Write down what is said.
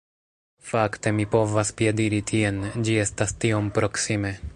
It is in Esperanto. Fakte mi povas piediri tien, ĝi estas tiom proksime.